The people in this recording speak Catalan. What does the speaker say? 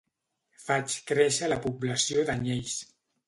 Faig créixer la població d'anyells.